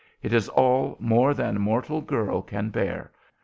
It is all more than mortal girl can bear.